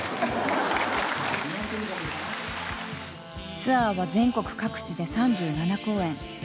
ツアーは全国各地で３７公演。